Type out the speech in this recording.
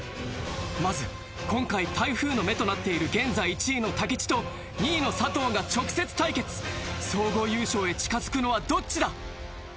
まず今回台風の目となっている現在１位の武知と２位の佐藤が直接対決総合優勝へ近づくのはどっちだ